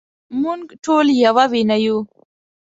مونږ ټول يوه وينه يو